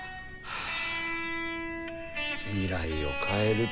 はあ。